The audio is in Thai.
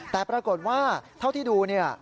แต่ปรากฏว่าเท่าที่ดูเนี่ย